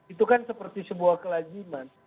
itu kan seperti sebuah kelajiman